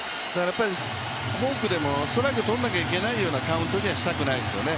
フォークでもストライクを取らなきゃいけないようなカウントにはしたくないですよね。